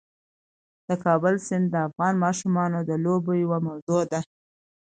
د کابل سیند د افغان ماشومانو د لوبو یوه موضوع ده.